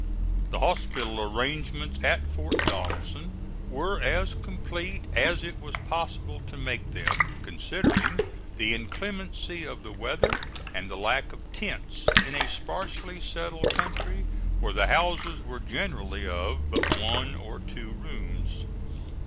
The hospital arrangements at Fort Donelson were as complete as it was possible to make them, considering the inclemency of the weather and the lack of tents, in a sparsely settled country where the houses were generally of but one or two rooms.